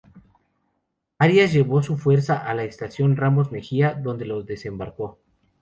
Arias llevó su fuerza a la estación Ramos Mejía, donde los desembarcó.